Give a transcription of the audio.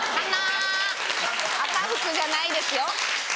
赤福じゃないですよ。